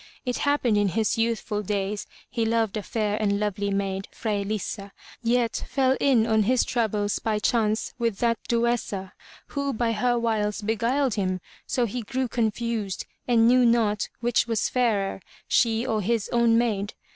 It happened in his youthful days he loved a fair and lovely maid, Fraelissa, yet fell in on his travels by chance with that Duessa, who by her wiles beguiled him so he grew confused and knew not which was fairer, she or his own maid.